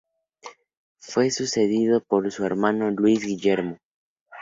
Fue sucedido por su hermano, Luis Guillermo.